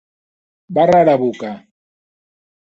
Barra era boca.